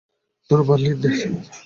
ধন্যবাদ, লিন্ডেন।